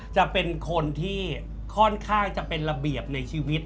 จะเป็นคนที่ค่อนข้างจะเป็นระเบียบในชีวิต